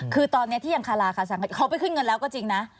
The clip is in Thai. คือตอนนี้ที่ยังคาราคาสังเขาไปขึ้นเงินแล้วก็จริงนะ